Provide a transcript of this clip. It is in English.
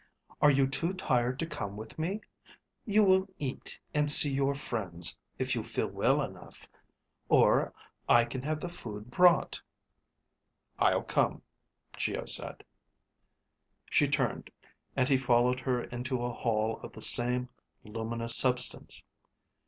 Are you too tired to come with me? You will eat and see your friends if you feel well enough. Or, I can have the food brought." "I'll come," Geo said. She turned, and he followed her into a hall of the same luminous substance.